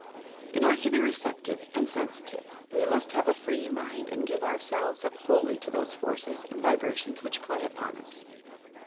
In order to be receptive and sensitive, we must have a free uiind, and give ourselves up wholly to those forces and vibra tions which play upon us.